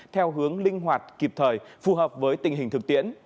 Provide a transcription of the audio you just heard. theo hướng linh hoạt kịp thời phù hợp với tình hình thực tiễn